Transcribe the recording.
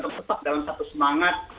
tetap dalam satu semangat